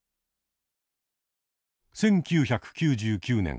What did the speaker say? １９９９年。